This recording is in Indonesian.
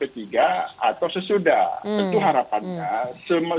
atau sesudah tentu harapannya